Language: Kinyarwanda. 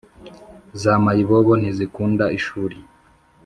za mayibobo ntizikunda ishuri.